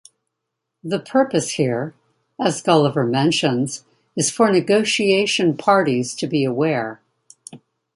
The purpose here, as Gulliver mentions, is for negotiation parties to be aware.